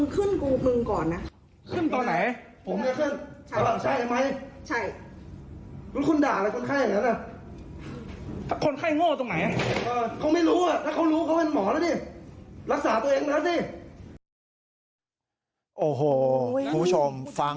ขึ้นกว่าคุณก่อนนะ